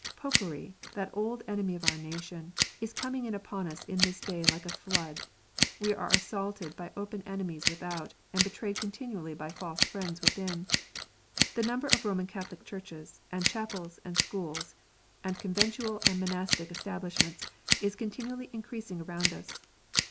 Popery, that old enemy of our nation, is coming in upon us in this day like a flood. We are assaulted by open enemies without, and betrayed continually by false friends within. The number of Roman Catholic churches, and chapels, and schools, and con ventual and monastic establishments, is continually increasing around us.